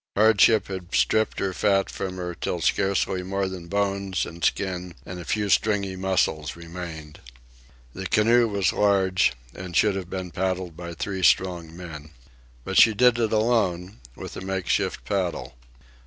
Hardship had stripped her fat from her till scarcely more than bones and skin and a few stringy muscles remained. The canoe was large and should have been paddled by three strong men. But she did it alone, with a make shift paddle.